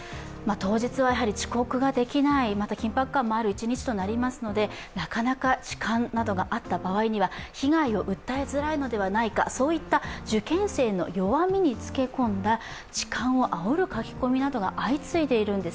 当日は遅刻ができない、また緊迫感がある一日となりますので、痴漢などがあった場合には被害を訴えづらいのではないかといった受験生の弱みにつけこんだ痴漢をあおる書き込みが増えているんです。